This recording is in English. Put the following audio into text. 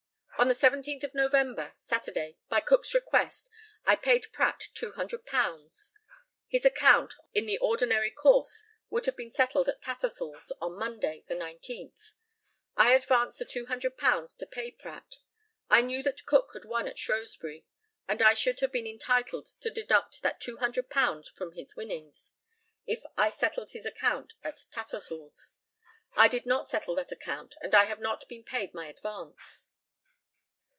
On the 17th of November (Saturday), by Cook's request, I paid Pratt £200. His account, in the ordinary course, would have been settled at Tattersall's on Monday, the 19th. I advanced the £200 to pay Pratt. I knew that Cook had won at Shrewsbury, and I should have been entitled to deduct that £200 from his winnings, if I had settled his account at Tattersall's. I did not settle that account, and I have not been paid my advance.